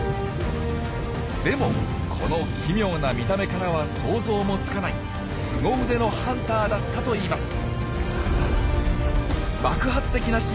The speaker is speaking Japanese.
でもこの奇妙な見た目からは想像もつかないスゴ腕のハンターだったといいます。